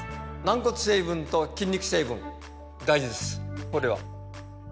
軟骨成分と筋肉成分大事です